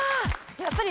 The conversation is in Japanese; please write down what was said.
やっぱり。